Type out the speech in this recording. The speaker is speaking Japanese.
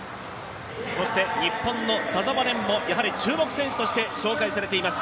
そして日本の田澤廉もやはり注目選手として紹介されています。